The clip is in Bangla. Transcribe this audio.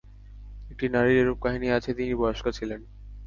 একটি নারীর এরূপ কাহিনী আছে, তিনি বয়স্কা ছিলেন।